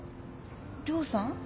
涼さん？